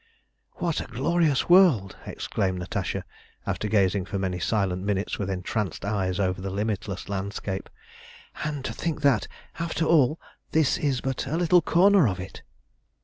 "What a glorious world!" exclaimed Natasha, after gazing for many silent minutes with entranced eyes over the limitless landscape. "And to think that, after all, all this is but a little corner of it!"